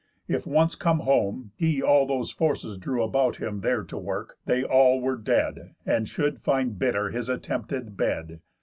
If, once come home, he all those forces drew About him there to work, they all were dead, And should find bitter his attempted bed.